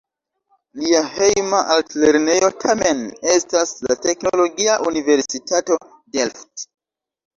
Lia "hejma" altlernejo tamen estas la Teknologia Universitato Delft.